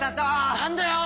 何だよ。